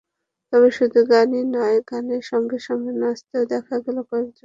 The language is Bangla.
তবে শুধু গানই নয়, গানের সঙ্গে সঙ্গে নাচতেও দেখা গেল কয়েকজনকে।